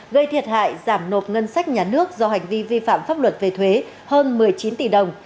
gây thiệt hại giảm nộp ngân sách nhà nước do hành vi vi phạm pháp luật về thuế hơn một mươi chín tỷ đồng